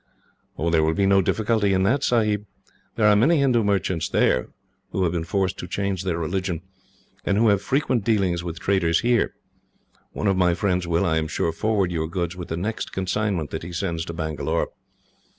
"There will be no difficulty in that, Sahib. There are many Hindoo merchants there, who have been forced to change their religion, and who have frequent dealings with traders here. One of my friends will, I am sure, forward your goods with the next consignment that he sends to Bangalore.